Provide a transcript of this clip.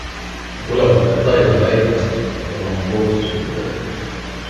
Nad olevat Pettaile väitnud, et on oma kohustused juba täitnud.